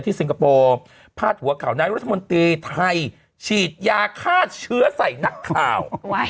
สิงคโปร์พาดหัวข่าวนายรัฐมนตรีไทยฉีดยาฆ่าเชื้อใส่นักข่าว